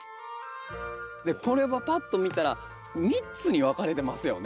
これはパッと見たら３つに分かれてますよね。